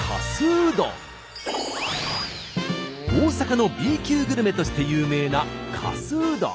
大阪のＢ級グルメとして有名なかすうどん。